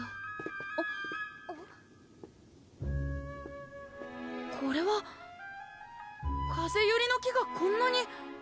あっこれは風ゆりの木がこんなに！